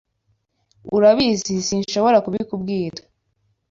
Urabizi sinshobora kubikubwira.